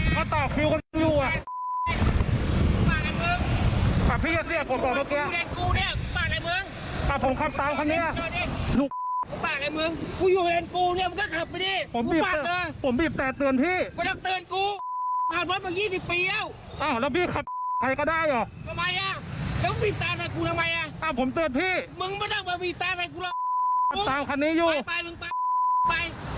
หลักจากเช็คที่เห็นมั้วประสาทของสุฎาดูชมครับ